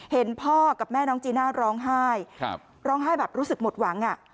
เห็นพ่อกับแม่น้องจีน่าร้องไห้ร้องไห้แบบรู้สึกหมดหวังอ่ะ